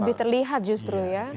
lebih terlihat justru ya